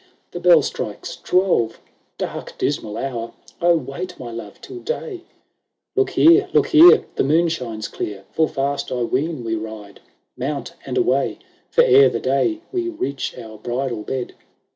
The bell strikes twelve— dark, dismal hour ! O wait, my love, till day !" XXXIV " Look here, look here— the moon shines clear Full fast I ween we ride ; Mount and away ! for ere the day We reach our bridal bed.